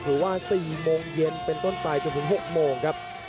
หรือว่า๔โมงเย็นเป็นต้นไปจนถึง๖โมงครับ